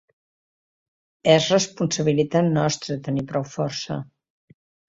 És responsabilitat nostra tenir prou força.